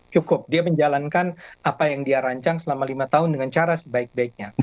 cukup dia menjalankan apa yang dia rancang selama lima tahun dengan cara sebaik baiknya